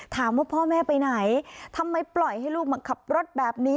ถามว่าพ่อแม่ไปไหนทำไมปล่อยให้ลูกมาขับรถแบบนี้